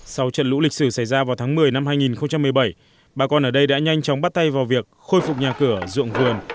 sau trận lũ lịch sử xảy ra vào tháng một mươi năm hai nghìn một mươi bảy bà con ở đây đã nhanh chóng bắt tay vào việc khôi phục nhà cửa ruộng vườn